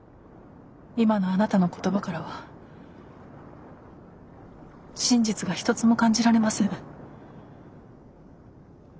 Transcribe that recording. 今のあなたの言葉からは真実が一つも感じられません。